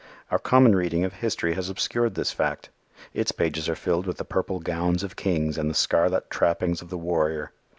Our common reading of history has obscured this fact. Its pages are filled with the purple gowns of kings and the scarlet trappings of the warrior.